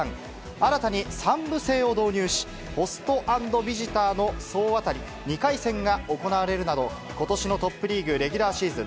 新たに３部制を導入し、ホスト＆ビジターの総当たり２回戦が行われるなど、ことしのトップリーグレギュラーシーズン